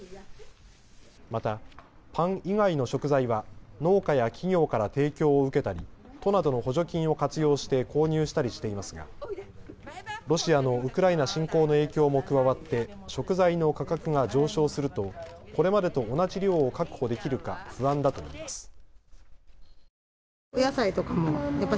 またパン以外の食材は農家や企業から提供を受けたり都などの補助金を活用して購入したりしていますがロシアのウクライナ侵攻の影響も加わって、食材の価格が上昇するとこれまでと同じ量を確保できるか不安だといいます。